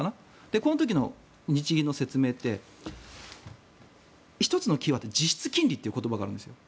この時の日銀の説明って１つのキーワード実質金利という言葉があるんです。